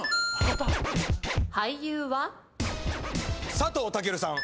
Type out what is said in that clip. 佐藤健さん。